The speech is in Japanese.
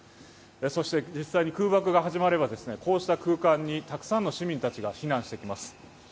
そして、実際に空爆が始まればこうした空間にたくさんの市民たちが避難してきます。